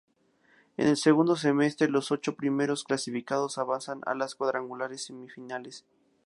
En el segundo semestre, los ocho primeros clasificados avanzan a los cuadrangulares semifinales.